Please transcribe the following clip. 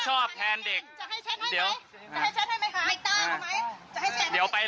เด็กก็เป็นลูกให้